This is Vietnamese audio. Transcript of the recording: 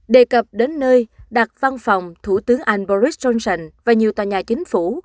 đề cập đến nơi đặt văn phòng thủ tướng anh boris johnson và nhiều tòa nhà chính phủ